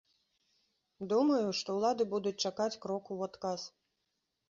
Думаю, што ўлады будуць чакаць кроку ў адказ.